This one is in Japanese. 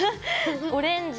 オレンジ。